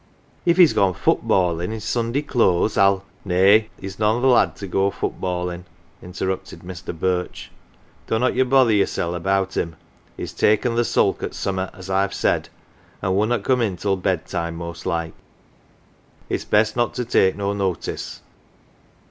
If he's gone foot ballin 1 in 's Sunday clothes Til " Nay, he's none th' lad to go foot ballin', 1 ' interrupted Mr. Birch. "Dunnot ye bother yoursel' about him. He's taken the sulk at summat as I've said, an' wunnot come in till bedtime most like. It's best not to take no notice."